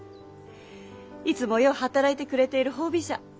いつもよう働いてくれている褒美じゃ。